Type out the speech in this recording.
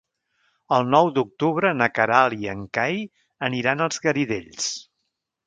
El nou d'octubre na Queralt i en Cai aniran als Garidells.